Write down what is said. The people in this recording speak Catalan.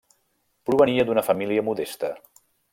Provenia d'una família modesta.